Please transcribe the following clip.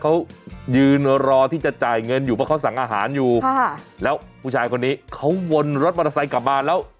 เขายืนรอที่จะจ่ายเงินอยู่เพราะเขาสั่งอาหารอยู่ค่ะแล้วผู้ชายคนนี้เขาวนรถมอเตอร์ไซค์กลับมาแล้ว